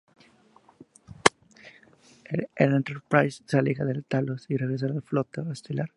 El "Enterprise" se aleja de Talos y regresa a la Flota Estelar.